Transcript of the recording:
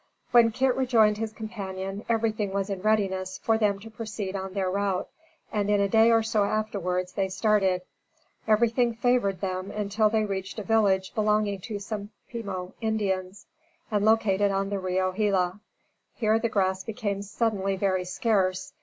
When Kit rejoined his companion, everything was in readiness for them to proceed on their route, and, in a day or so afterwards, they started. Everything favored them until they reached a village belonging to some Pimo Indians, and located on the Rio Gila. Here the grass became suddenly very scarce.